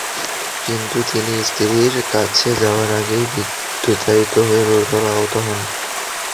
কিন্তু তিনি স্ত্রীর কাছে যাওয়ার আগেই বিদ্যুতায়িত হয়ে গুরুতর আহত হন।